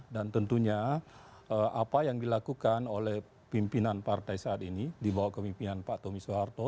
tentunya apa yang dilakukan oleh pimpinan partai saat ini di bawah kemimpinan pak tommy soeharto